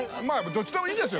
どっちでもいいです。